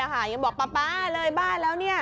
ยังบอกป๊าเลยบ้านแล้ว